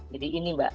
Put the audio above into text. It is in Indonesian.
jadi ini mbak